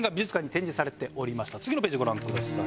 次のページをご覧ください。